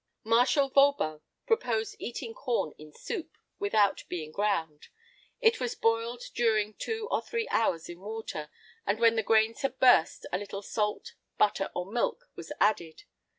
Marshal Vauban proposed eating corn in soup, without being ground; it was boiled during two or three hours in water, and when the grains had burst, a little salt, butter, or milk, was added.